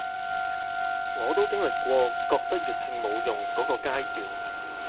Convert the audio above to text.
我都經歷過覺得粵拼冇用箇個階段